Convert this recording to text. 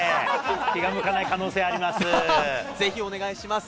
気が向かない可能性あります。